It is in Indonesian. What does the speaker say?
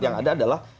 yang ada adalah